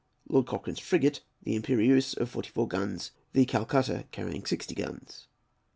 Lord Cochrane's frigate, the Impérieuse of forty four guns, the Calcutta carrying sixty guns.